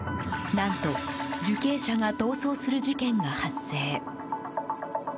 何と、受刑者が逃走する事件が発生。